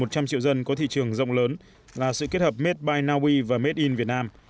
một trăm linh triệu dân có thị trường rộng lớn là sự kết hợp made by naui và made in việt nam